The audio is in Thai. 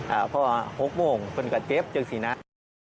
และกับวันที่สองโมงมันก็สีหนาย